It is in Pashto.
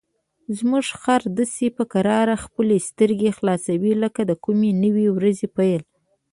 زموږ خر داسې په کراره خپلې سترګې خلاصوي لکه د کومې نوې ورځې پیل.